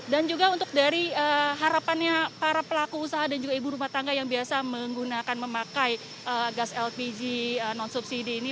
dan juga untuk dari harapannya para pelaku usaha dan juga ibu rumah tangga yang biasa menggunakan memakai gas lpg non subsidi ini